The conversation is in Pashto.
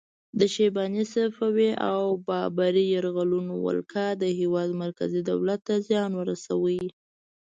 د شیباني، صفوي او بابري یرغلګرو ولکه د هیواد مرکزي دولت ته زیان ورساوه.